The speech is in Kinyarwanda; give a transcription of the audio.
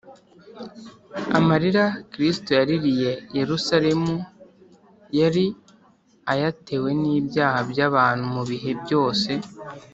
amarira kristo yaririye yerusalemu yari ayatewe n’ibyaha by’abantu mu bihe byose